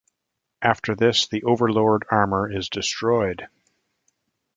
After this, the Overlord armor is destroyed.